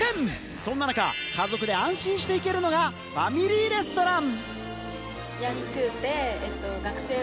そんな中、家族で安心して行けるのがファミリーレストラン。